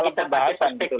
itu yang positif itu